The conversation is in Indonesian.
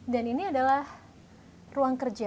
dan ini adalah ruang kerja